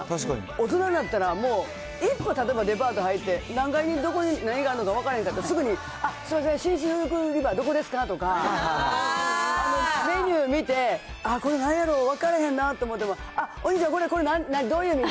大人なったらもう、一歩例えばデパート入って、何階にどこに何があるのか分からなかったら、すぐに、あっ、すみません、紳士服売り場どこですか？とかメニュー見て、あっ、これなんやろ、分からへんなと思っても、あっ、お兄ちゃん、お兄ちゃん、これ、何？どういう意味？